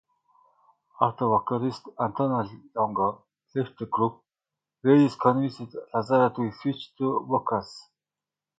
After vocalist Antonio Longo left the group, Reyes convinced Lazzara to switch to vocals.